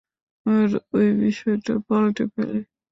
আর ওই বিষয়টা পাল্টে ফেলি।